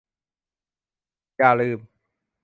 อย่าลืม !